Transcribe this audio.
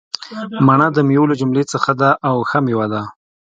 مڼه دمیوو له جملي څخه ده او ښه میوه ده